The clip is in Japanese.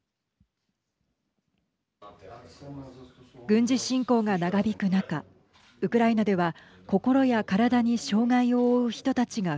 軍事侵攻が長引く中ウクライナでは心や体に障害を負う人たちが